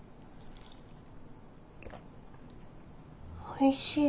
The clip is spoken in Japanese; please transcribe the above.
おいしい。